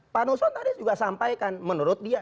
pak nusron tadi juga sampaikan menurut dia